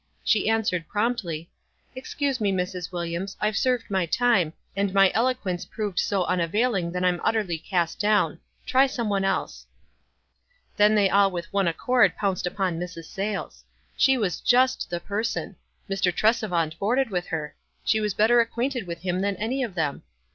She answered, promptly, — WISE AND OTHEKWISE. 49 "Excuse me, Mrs. Williams, I've served my time, and my eloquence proved so unavailing that I'm utterly cast down. Try some one else." Then they all with one accord pounced upon Mrs. Sayles. She was just the person — Mr. Tresevant boarded with her — she was better acquainted with him than any of them.